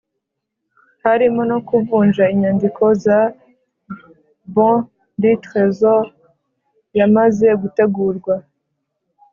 harimo no kuvunja inyandiko za « bons du tresor » yamaze gutegurwa.